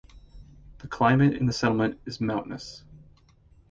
The climate in the settlement is mountainous.